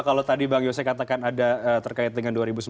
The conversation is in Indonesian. kalau tadi bang yose katakan ada terkait dengan dua ribu sembilan belas